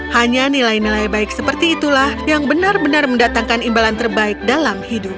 hanya nilai nilai baik seperti itulah yang benar benar mendatangkan imbalan terbaik dalam hidup